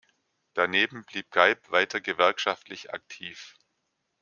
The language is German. Daneben blieb Geib weiter gewerkschaftlich aktiv.